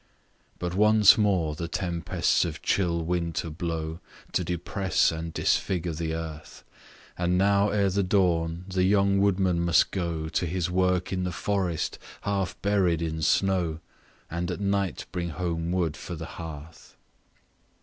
But once more the tempests of chill winter blow, To depress and disfigure the earth; And now ere the dawn, the young woodman must go To his work in the forest, half buried in snow, And at night bring home wood for the hearth.